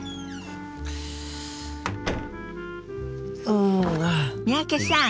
うん。